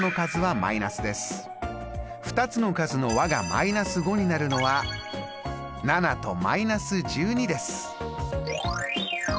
２つの数の和が−５になるのは７と−１２です！